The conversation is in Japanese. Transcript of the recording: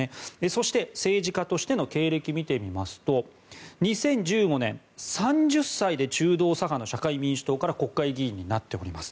そして政治家としての経歴を見てみますと２０１５年、３０歳で中道左派の社会民主党から国会議員になっております。